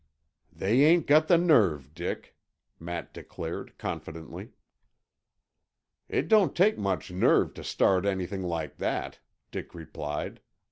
"They ain't got the nerve, Dick," Matt declared confidently. "It don't take much nerve to start anything like that," Dick replied.